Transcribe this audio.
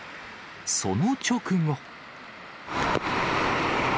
その直後。